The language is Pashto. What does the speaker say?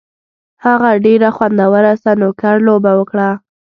هغه ډېره خوندوره سنوکر لوبه وکړله.